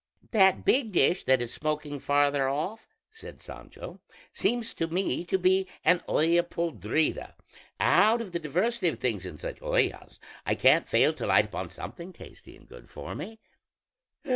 "That big dish that is smoking farther off," said Sancho, "seems to me to be an olla podrida; and out of the diversity of things in such ollas, I can't fail to light upon something tasty and good for me."